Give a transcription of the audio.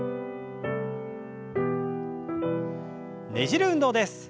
ねじる運動です。